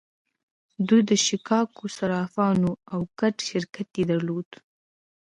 دوی د شیکاګو صرافان وو او ګډ شرکت یې درلود